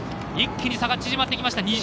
一気に差が縮まってきました。